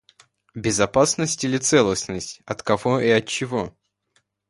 Безопасность и целостность от кого и от чего?